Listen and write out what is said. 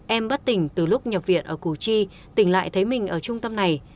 em bất tỉnh từ lúc nhập viện ở củ chi tỉnh lại thấy mình ở trung tâm này